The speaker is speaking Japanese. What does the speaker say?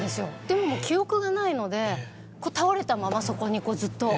でも記憶がないので倒れたままそこにこうずっと。